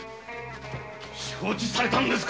承知されたのですか？